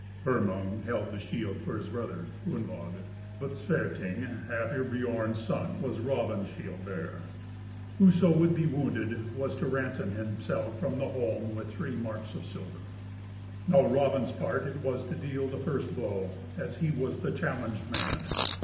Hermund held shield for his brother, Gunnlaug; but Sverting, Hafr Biorn's son, was Raven's shield bearer. Whoso should be wounded was to ransom himself from the holm with three marks of silver. Now, Raven's part it was to deal the first blow, as he was the challenged man.